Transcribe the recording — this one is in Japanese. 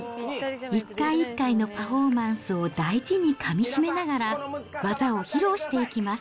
一回一回のパフォーマンスを大事にかみしめながら、技を披露していきます。